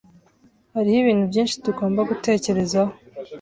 Hariho ibintu byinshi tugomba gutekerezaho.